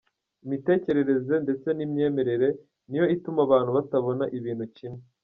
Imitekerereze ndetse n’imyemerere niyo ituma abantu batabona ibintu kimwe.